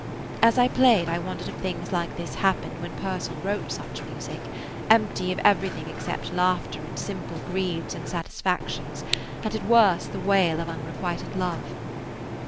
As I played I wondered if things like this happened when Purcell wrote such music, empty of everything except laughter and simple greeds and satisfactions and at worst the wail of unrequited love.